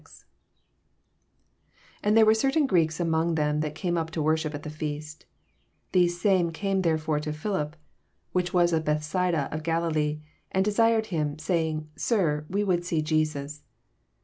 20 And thero were eertain Greeks unong them that came np to worship •t the feast: 21 The same eamo therefore to Phil ip, whiob was of Bethsaida of Galilee, and desired him, saying, Sir, we would see Jesus.